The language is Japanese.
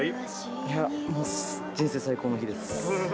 いやもう人生最高の日です。